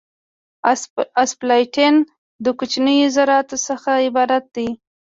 اسفالټین د کوچنیو ذراتو څخه عبارت دی